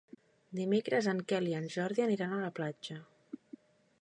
Dimecres en Quel i en Jordi aniran a la platja.